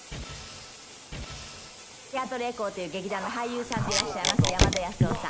テアトル・エコーという劇団の俳優さんでいらっしゃいます山田康雄さん。